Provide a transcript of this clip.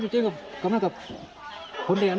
ในวันอายุแนะงง